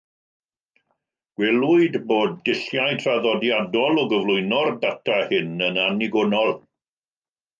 Gwelwyd bod dulliau traddodiadol o gyflwyno'r data hyn yn annigonol.